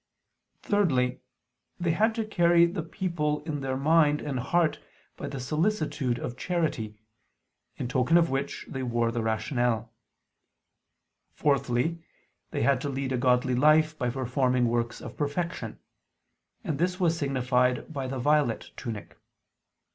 Thirdly, they had to carry the people in their mind and heart by the solicitude of charity, in token of which they wore the rational. Fourthly, they had to lead a godly life by performing works of perfection; and this was signified by the violet tunic.